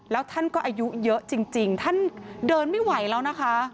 แล้วท่านก็อายุเยอะจริงท่านเดินไม่ไหวแล้วนะคะ